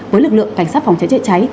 với lực lượng cảnh sát phòng cháy cháy cháy